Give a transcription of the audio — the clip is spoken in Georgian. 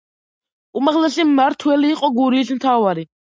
უმაღლესი მმართველი იყო გურიის მთავარი.